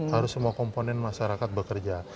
harus semua komponen masyarakat bekerja